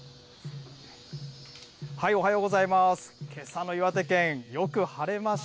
おはようございます。